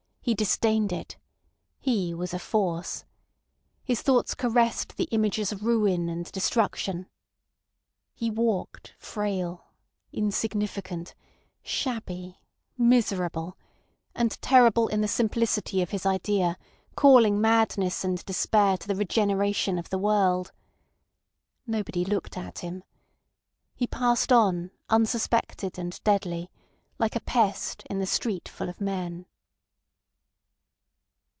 He disdained it. He was a force. His thoughts caressed the images of ruin and destruction. He walked frail, insignificant, shabby, miserable—and terrible in the simplicity of his idea calling madness and despair to the regeneration of the world. Nobody looked at him. He passed on unsuspected and deadly, like a pest in the street full of men.